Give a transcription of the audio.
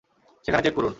সেখানে চেক করুন।